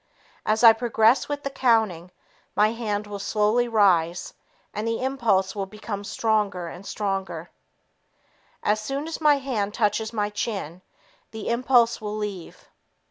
As I progress with the counting, my hand will slowly rise, and the impulse will become stronger and stronger. As soon as my hand touches my chin, the impulse will leave.